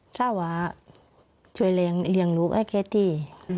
ชางวาช่วยเล็งลูกให้แคทที่